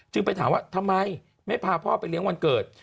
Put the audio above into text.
ไปถามว่าทำไมไม่พาพ่อไปเลี้ยงวันเกิด